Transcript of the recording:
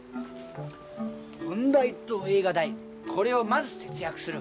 本代と映画代これをまず節約する。